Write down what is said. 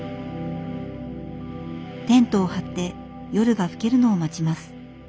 テントを張って夜が更けるのを待ちます。